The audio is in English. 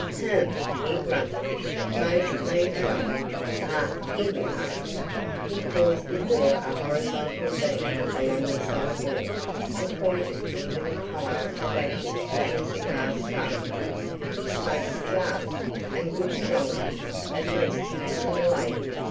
"H'm!" he grunted. "Mose cleaned well. Ah! Here we are!" He paused before a horizontal beam along the side wall and pointed to a little pile of ashes and a cigar stub. "He smokes cigars, and good strong ones at least he isn't a lady.